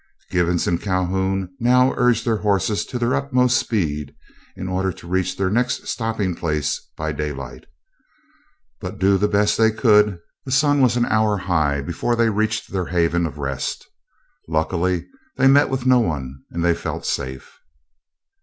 Givens and Calhoun now urged their horses to their utmost speed, in order to reach their next stopping place by daylight. But do the best they could, the sun was an hour high before they reached their haven of rest. Luckily they met with no one, and they felt safe.